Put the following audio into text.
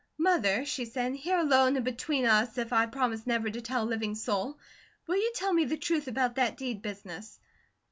"Mother," she said, "here alone, and between us, if I promise never to tell a living soul, will you tell me the truth about that deed business?"